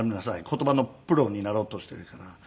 「言葉のプロになろうとしているから」。